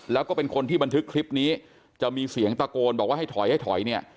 แล้วก็เป็นคนที่บันทึกคลิปนี้จะมีเสียงตะโกนบอกว่าให้ถอยให้ถอยเนี่ย